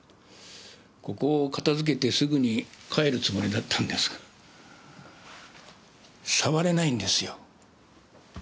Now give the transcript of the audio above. ここを片づけてすぐに帰るつもりだったんですが触れないんですよ。